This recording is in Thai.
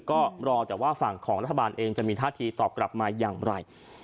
ก็รอแต่ว่าฝั่งของรัฐบาลเองจะมีท่าทีตอบกลับมาอย่างไร